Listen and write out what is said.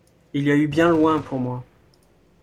Il y a eu bien loin pour moi.